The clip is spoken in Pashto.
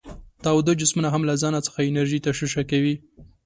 تاوده جسمونه هم له ځانه څخه انرژي تشعشع کوي.